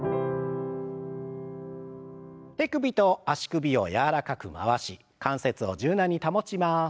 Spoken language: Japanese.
手首と足首を柔らかく回し関節を柔軟に保ちます。